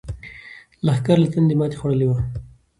لښکر له تندې ماتې خوړلې وه.